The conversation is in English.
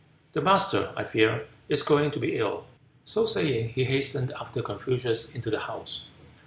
The master, I fear, is going to be ill." So saying, he hastened after Confucius into the house.